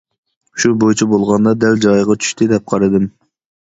شۇ بويىچە بولغاندا دەل جايىغا چۈشتى دەپ قارىدىم.